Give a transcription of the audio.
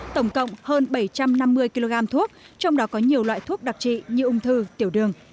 tổng cộng hơn bảy trăm năm mươi kg thuốc trong đó có nhiều loại thuốc đặc trị như ung thư tiểu đường